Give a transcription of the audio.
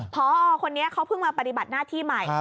พอคนนี้เขาเพิ่งมาปฏิบัติหน้าที่ใหม่